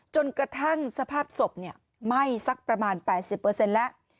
จนกระทั่งสภาพศพไหม้สักประมาณ๘๐แล้ว